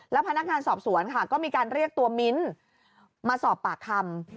พนักงานสอบสวนค่ะก็มีการเรียกตัวมิ้นมาสอบปากคำ